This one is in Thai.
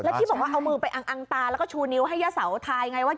ที่บอกว่าเอามือไปอังตาแล้วก็ชูนิ้วให้ย่าเสาทายไงว่า